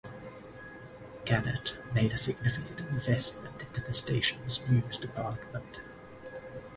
Gannett made a significant investment into the station's news department.